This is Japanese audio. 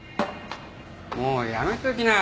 もうやめときな。